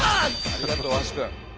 ありがとう大橋君。